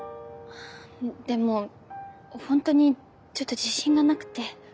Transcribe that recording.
でも本当にちょっと自信がなくて。